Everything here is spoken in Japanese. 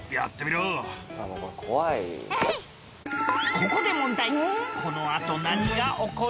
ここで問題。